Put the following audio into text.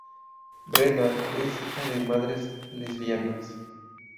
Brenna es hija de madres lesbianas.